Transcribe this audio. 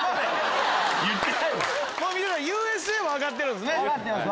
皆さん『Ｕ．Ｓ．Ａ．』は分かってるんですね。